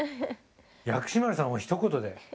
薬師丸さんをひと言で？